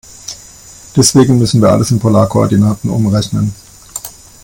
Deswegen müssen wir alles in Polarkoordinaten umrechnen.